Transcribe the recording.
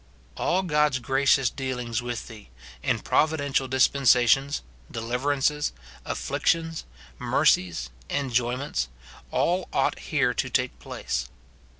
All God's gracious dealings with thee, in provi dential dispensations, deliverances, afflictions, mercies, enjoyments, all ought here to take place.